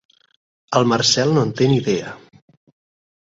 El Marcel no en té ni idea.